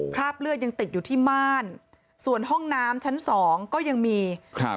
คราบเลือดยังติดอยู่ที่ม่านส่วนห้องน้ำชั้นสองก็ยังมีครับ